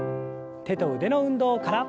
手と腕の運動から。